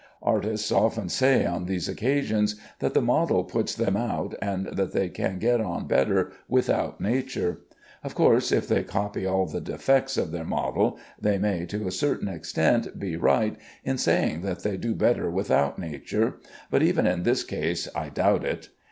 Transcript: Artists often say on these occasions that the model puts them out, and that they can get on better without nature. Of course, if they copy all the defects of their model they may, to a certain extent, be right in saying that they do better without nature; but even in this case I doubt it.